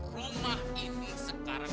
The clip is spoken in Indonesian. rumah ini sekarang